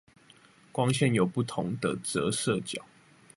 光線有不同的折射角